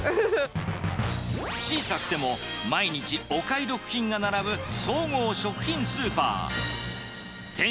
小さくても、毎日お買い得品が並ぶ総合食品スーパー。